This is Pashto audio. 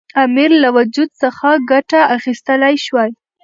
امیر له وجود څخه ګټه اخیستلای شوای.